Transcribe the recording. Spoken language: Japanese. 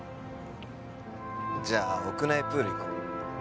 じゃあ屋内プール行こう。